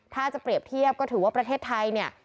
ถ้าจะเปรียบเทียบก็ถือว่าประเทศไทยเนี่ย